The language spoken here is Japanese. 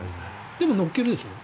でも乗っけるでしょ？